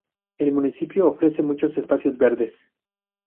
El municipio ofrece muchos espacios verdes.